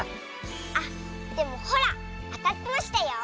あっでもほらあたってましたよ。